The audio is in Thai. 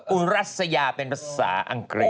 อุรัสยาเป็นภาษาอังกฤษ